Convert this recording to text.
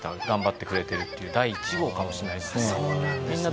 頑張ってくれてるっていう第１号かもしれないですね。